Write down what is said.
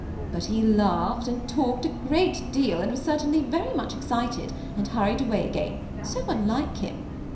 But he laughed and talked a great deal, and was certainly very much ex cited, and hurried away again, so unlike him.